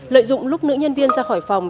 lợi dụng lúc nữ nhân viên ra khỏi phòng